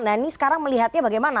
nah ini sekarang melihatnya bagaimana